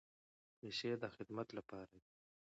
پیسې د خدمت لپاره دي.